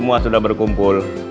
kamu bisa menurutku